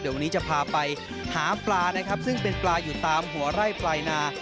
เดี๋ยววันนี้จะพาไปหาปลานะครับซึ่งเป็นปลาอยู่ตามหัวไร่ปลายนา